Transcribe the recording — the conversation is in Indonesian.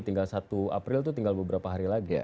tinggal satu april itu tinggal beberapa hari lagi